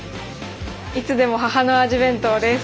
「いつでも母の味弁当」です。